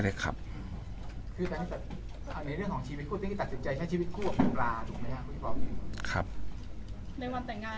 ได้เลยครับคือในเรื่องของชีวิตคู่ตัดสินใจใช้ชีวิตคู่กับคุณปลา